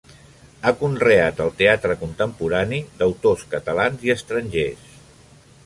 Ha conreat el teatre contemporani d'autors catalans i estrangers.